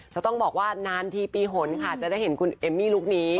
แล้วต้องบอกว่านานทีปีหนค่ะจะได้เห็นคุณเอมมี่ลูกนี้